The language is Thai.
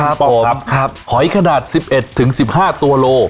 ครับครับครับหอยขนาดสิบเอ็ดถึงสิบห้าตัวโล